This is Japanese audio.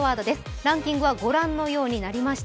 ランキングはご覧のようになりました。